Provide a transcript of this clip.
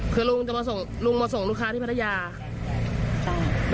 คือลุงมาส่งลูกค้านี่พี่ภรรยาใช่ค่ะ